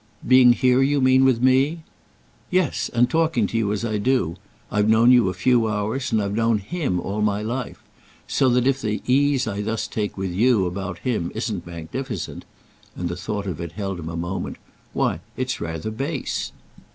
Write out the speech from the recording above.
"Being here, you mean, with me?" "Yes, and talking to you as I do. I've known you a few hours, and I've known him all my life; so that if the ease I thus take with you about him isn't magnificent"—and the thought of it held him a moment—"why it's rather base."